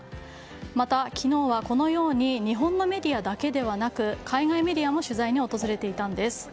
また、昨日はこのように日本のメディアだけではなく海外メディアも取材に訪れていたんです。